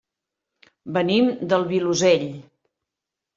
Venim del Vilosell.